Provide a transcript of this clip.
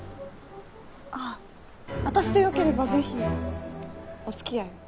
あっ私でよければぜひお付き合いを。